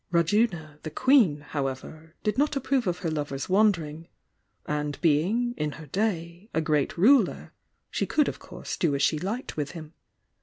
Rajuna, the Queen, however, did not approve of her lover's wan dering — and being, in her day, a great ruler, she could of course do as she liked with him.